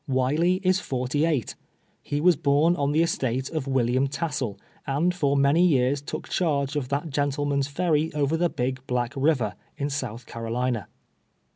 "VYiley is forty eight. He was born on the estate of William Tassle, and for many years took charge of that gentleman's ferry over the Big Black River, in South Carolina.